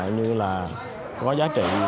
như là có giá trị